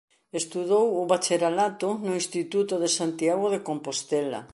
Estudou o bacharelato no Instituto de Santiago de Compostela.